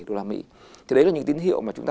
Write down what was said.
đồng mỹ thì đấy là những tín hiệu mà chúng ta